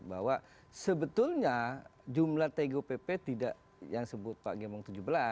bahwa sebetulnya jumlah tgupp tidak yang sebut pak gembong tujuh belas